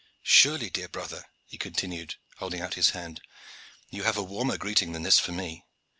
Surely, dear brother," he continued, holding out his hand, "you have a warmer greeting than this for me.